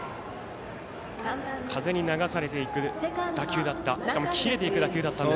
風に流されていく打球だったしかも切れていく打球でした。